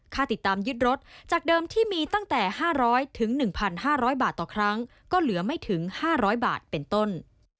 ค่าติดตามยึดรถจากเดิมที่มีตั้งแต่๕๐๐๑๕๐๐บาทต่อครั้งก็เหลือไม่ถึง๕๐๐บาทเป็นต้น